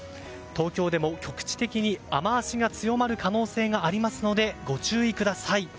東京でも局地的に雨脚が強まる可能性がありますのでご注意ください。